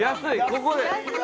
ここで。